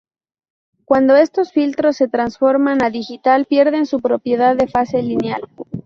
Cuando estos filtros se transforman a digital pierden su propiedad de fase lineal.